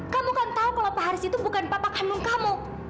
kamu kan tahu kalau pak haris itu bukan papak kandung kamu